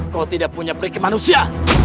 kau tidak punya perikim manusia